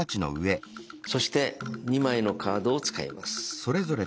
そして２枚のカードを使います。